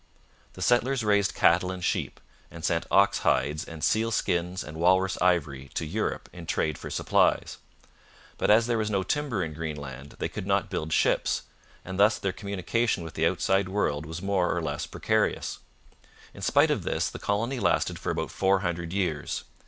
The settlers raised cattle and sheep, and sent ox hides and seal skins and walrus ivory to Europe in trade for supplies. But as there was no timber in Greenland they could not build ships, and thus their communication with the outside world was more or less precarious. In spite of this, the colony lasted for about four hundred years.